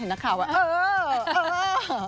เห็นนักข่าวว่าออก